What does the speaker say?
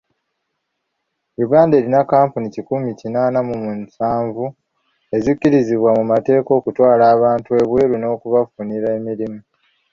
Uganda erina kkampuni kikumi kinaana mu musanvu ezikkirizibwa mu mateeka okutwala abantu ebweru n'okubafunira emirimu.